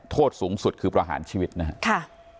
โทษสูงสุดคือประหารชีวิตนะครับ